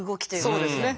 そうですね。